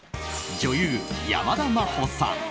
女優・山田真歩さん。